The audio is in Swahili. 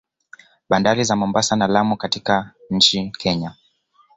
Bandari za Mombasa na Lamu katika nchi Kenya